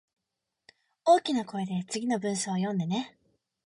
大きな声で次の文章を読んでね